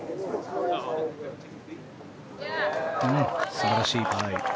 素晴らしい。